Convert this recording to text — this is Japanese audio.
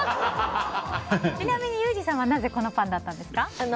ちなみにユージさんはなぜ、このパンだったんですか？